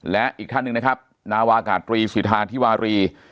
และอีกท่านหนึ่งนะครับนาวากาศตรีสิทธาธิวารี